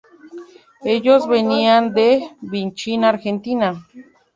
Ellos venían de Vinchina, Argentina.